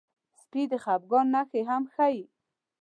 سپي د خپګان نښې هم ښيي.